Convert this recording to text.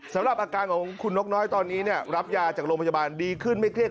สำหรับอาการของคุณนกน้อยตอนนี้รับยาจากโรงพยาบาลดีขึ้นไม่เครียด